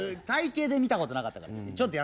体形で見たことなかったから。